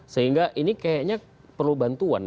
sehingga ini kayaknya perlu bantuan